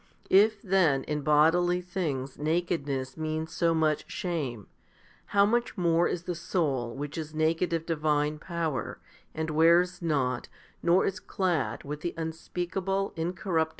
If then in bodily things nakedness means so much shame, how much more is the soul which is naked of divine power, and wears not, nor is clad with the unspeakable, incorruptible 1 Rom.